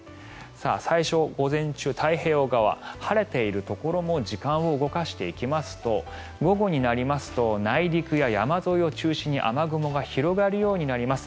最初、午前中、太平洋側晴れているところも時間を動かしていきますと午後になりますと内陸や山沿いを中心に雨雲が広がるようになります。